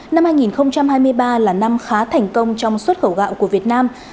năm hai nghìn hai mươi ba là năm khá thành công trong xuất khẩu gạo của việt nam